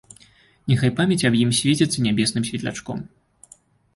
Няхай памяць аб ім свеціцца нябесным светлячком.